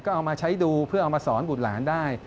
ก็เอามาใช้ดูเพื่อเอามาสอนบุตรหลานได้